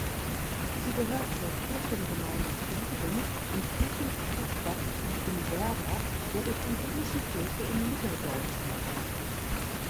Sie gehört zur Kirchengemeinde Schlieben im Kirchenkreis Bad Liebenwerda der Evangelischen Kirche in Mitteldeutschland.